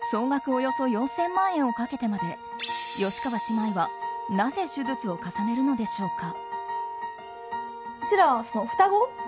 およそ４０００万円をかけてまで吉川姉妹はなぜ手術を重ねるのでしょうか。